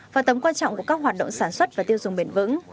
và tấm quan trọng của các hoạt động sản xuất và tiêu dùng bền vững